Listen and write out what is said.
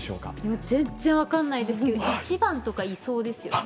もう全然分かんないですけれども、１番とかいそうですよね。